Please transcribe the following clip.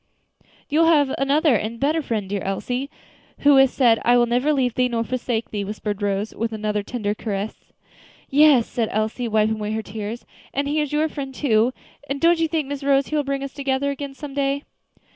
"You have another and a better friend, dear Elsie, who has said, 'I will never leave thee, nor forsake thee,'" whispered Rose, with another tender caress. "Yes," said Elsie, wiping away her tears; "and He is your Friend, too; and don't you think, Miss Rose, He will bring us together again some day?"